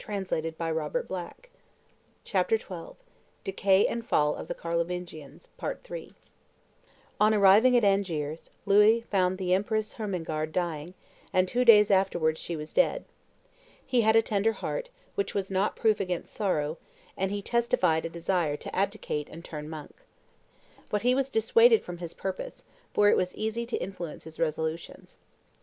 t. iv., p. 77 88.) [Illustration: Ditcar the Monk recognizing the Head of Morvan 273] On arriving at Angers, Louis found the Empress Hermengarde dying; and two days afterwards she was dead. He had a tender heart, which was not proof against sorrow; and he testified a desire to abdicate and turn monk. But he was dissuaded from his purpose; for it was easy to influence his resolutions.